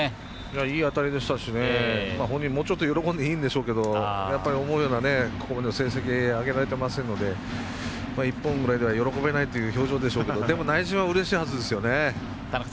いい当たりでしたし本人、もうちょっと喜んでいいんでしょうけど思うような、ここまで成績を挙げてないので一本ぐらいでは喜べないということでしょうけど内心としてはうれしいはずですよね。